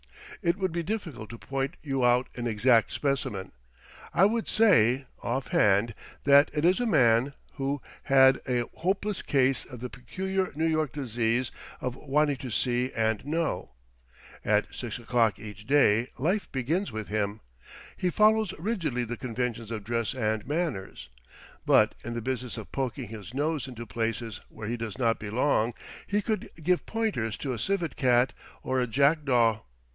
It would be difficult to point you out an exact specimen. I would say, offhand, that it is a man who had a hopeless case of the peculiar New York disease of wanting to see and know. At 6 o'clock each day life begins with him. He follows rigidly the conventions of dress and manners; but in the business of poking his nose into places where he does not belong he could give pointers to a civet cat or a jackdaw.